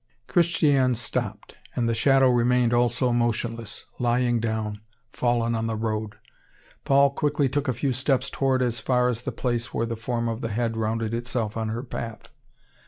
Christiane stopped, and the shadow remained also motionless, lying down, fallen on the road. Paul quickly took a few steps forward as far as the place where the form of the head rounded itself on her path.